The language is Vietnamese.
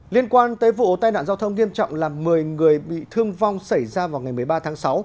liên quan tới vụ tai nạn giao thông nghiêm trọng làm một mươi người bị thương vong xảy ra vào ngày một mươi ba tháng sáu